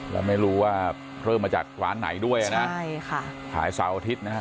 แล้วไม่รู้ว่าเพิ่มมาจากร้านไหนด้วยนะใช่ค่ะขายเสาร์อาทิตย์นะฮะ